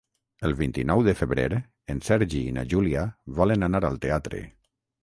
El vint-i-nou de febrer en Sergi i na Júlia volen anar al teatre.